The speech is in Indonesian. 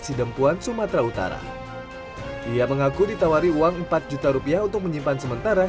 sidempuan sumatera utara ia mengaku ditawari uang empat juta rupiah untuk menyimpan sementara